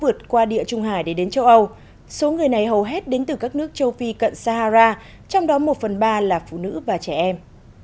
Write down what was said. vượt qua địa trung hải để đến châu âu số người này hầu hết đến từ các nước châu phi cận sahara trong đó một phần ba là phụ nữ và trẻ em